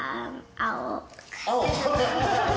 青？